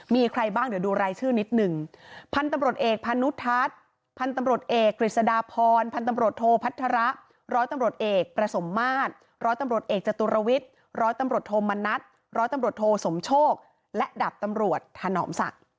มีใครบ้างเดี๋ยวดูรายชื่อนิดนึง